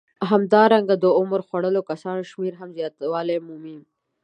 همدارنګه د عمر خوړلو کسانو شمېر هم زیاتوالی مومي